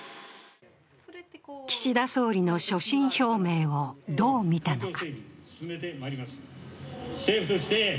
岸田総理の所信表明をどう見たのか。